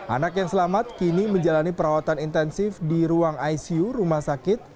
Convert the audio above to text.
anak yang selamat kini menjalani perawatan intensif di ruang icu rumah sakit